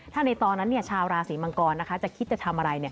ถ้าในตอนนั้นชาวราศีมังกรจะคิดจะทำอะไร